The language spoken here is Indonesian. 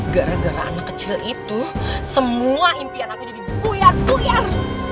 gara gara anak kecil itu semua impian aku jadi buyat buyar